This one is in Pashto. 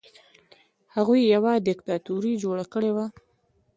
هغوی یوه دیکتاتوري جوړه کړې وه.